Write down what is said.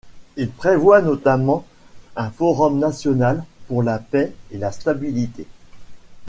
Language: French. Il prévoit notamment un forum national pour la paix et la stabilité.